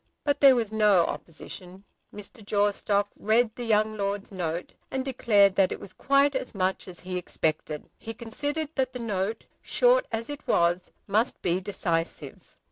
But there was no opposition. Mr. Jawstock read the young lord's note, and declared that it was quite as much as he expected. He considered that the note, short as it was, must be decisive.